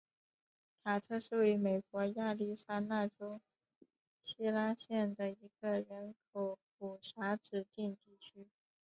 卡特是位于美国亚利桑那州希拉县的一个人口普查指定地区。